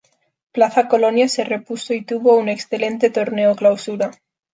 Plaza Colonia se repuso y tuvo un excelente Torneo Clausura.